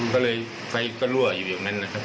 ก็เลยไฟก็รั่วอยู่อย่างนั้นนะครับ